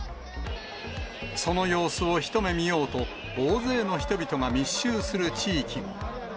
その様子を一目見ようと、大勢の人々が密集する地域も。